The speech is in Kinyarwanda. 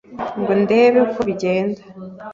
ngo ndebe uko bigenda,